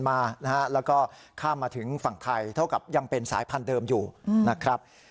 มาถึงฝั่งไทยเท่ากับยังเป็นสายพันธุ์เดิมอยู่นะครับ